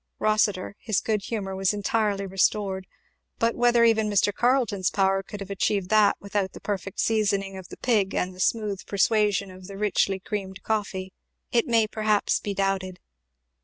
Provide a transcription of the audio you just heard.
Rossitur his good humour was entirely restored; but whether even Mr. Carleton's power could have achieved that without the perfect seasoning of the pig and the smooth persuasion of the richly creamed coffee, it may perhaps be doubted.